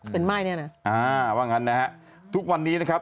เป็นไหม้เนี่ยนะอ่าว่างั้นนะฮะทุกวันนี้นะครับ